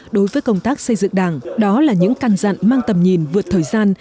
đối với công tác xây dựng đảng đó là những căn dặn mang tầm nhìn vượt thời gian